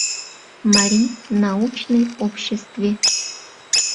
МАРИЙ НАУЧНЫЙ ОБЩЕСТВЕ